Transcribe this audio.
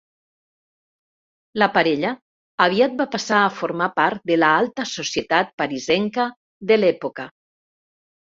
La parella aviat va passar a formar part de l'alta societat parisenca de l'època.